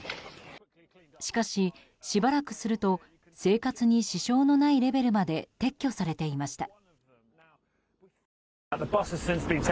しかし、しばらくすると生活に支障のないレベルまで撤去されていました。